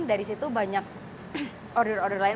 dari situ banyak order order lain